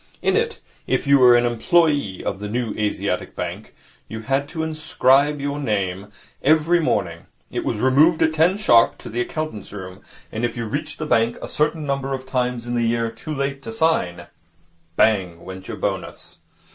In it, if you were an employe of the New Asiatic Bank, you had to inscribe your name every morning. It was removed at ten sharp to the accountant's room, and if you reached the bank a certain number of times in the year too late to sign, bang went your bonus.